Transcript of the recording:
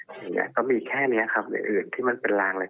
เกิดอยู่นึงแค่นี้ครับอื่นที่เป็นรางอะไร